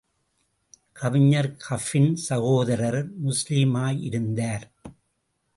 கவிஞர் கஃபின் சகோதரர் முஸ்லிமாயிருந்தார்.